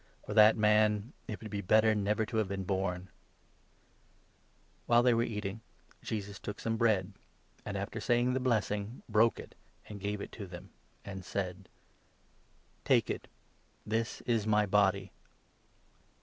For that man ' it would be better never to have been born !'" The 'Lord's While they were eating, Jesus took some bread, 22 supper.' and, after saying the blessing, broke it, and gave it to them, and said : "Take it ; this is my body."